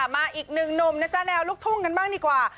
มาอีกหนึ่งหนุ่มนะจ๊ะแนวลูกทุ่งกันบ้างดีกว่า